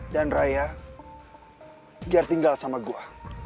dan raya biar tinggal sama gue